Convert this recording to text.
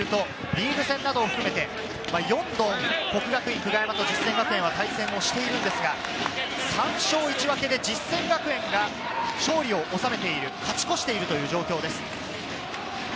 さらに言いますと、この３年間でいうとリーグ戦など含めて４度、國學院久我山と実践学園は対戦をしてるんですが、３勝１分けで実践学園が勝利を収めている、勝ち越しているという状況です。